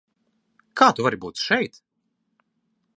Kā tu vari būt šeit?